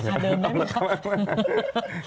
ราคาเดิมนะครับ